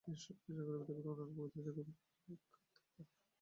এর সঙ্গে রবি ঠাকুরের আরো অনেক অপ্রকাশিত কবিতা, প্রায় এক খাতা ভরা।